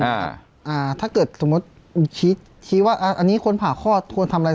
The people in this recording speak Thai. อ่าอ่าถ้าเกิดสมมุติชี้ชี้ว่าอ่าอันนี้คนผ่าคลอดควรทำอะไร